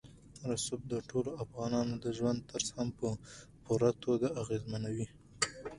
رسوب د ټولو افغانانو د ژوند طرز هم په پوره توګه اغېزمنوي.